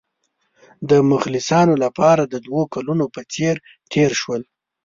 د مخلصانو لپاره د دوو کلونو په څېر تېر شول.